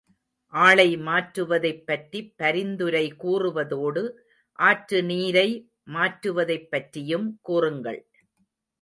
ஆளை மாற்றுவதைப் பற்றிப் பரிந்துரை கூறுவதோடு, ஆற்று நீரை மாற்றுவதைப் பற்றியும் கூறுங்கள்.